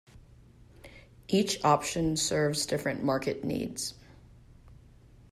Each option serves different market needs.